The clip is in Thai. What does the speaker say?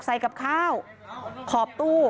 ใส่กับข้าวขอบตู้